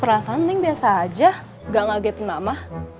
perasaan neng biasa aja gak ngaget nama